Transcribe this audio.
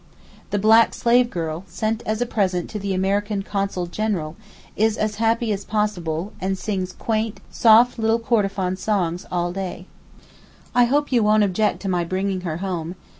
The black slave girl, sent as a present to the American Consul General, is as happy as possible, and sings quaint, soft little Kordofan songs all day. I hope you won't object to my bringing her home.